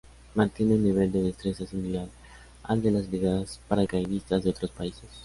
Mantiene un nivel de destreza similar al de las brigadas paracaidistas de otros países.